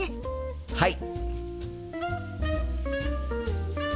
はい！